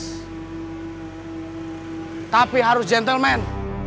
sekarang kamu jangan ledis